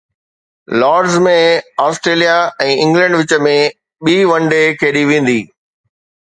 Lord's ۾ Australia ۽ England وچ ۾ ٻي one day کيڏي ويندي